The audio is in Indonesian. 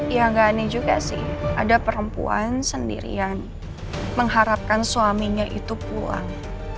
ya nggak aneh juga sih ada perempuan sendirian mengharapkan suaminya itu pulang